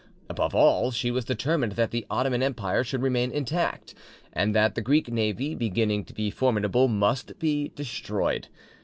Above all, she was determined that the Ottoman Empire should remain intact, and that the Greek navy, beginning to be formidable, must be destroyed.